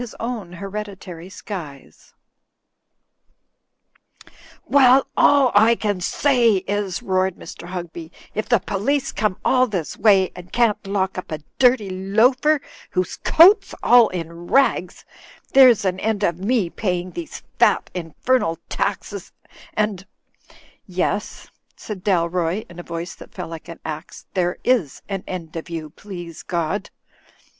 his own hereditary skies." Digitized by CjOOQIC HOSPITALITY OF THE CAPTAIN 245 "Well, all I can say is," roared Mr. Hugby, "if the police come all this way and can*t lock up a dirty loafer whose coat's all in rags, there's an end of me paying these fat infernal taxes and —" "Yes," said Dalroy, in a voice that fell like an axe, "there is an end of you, please God.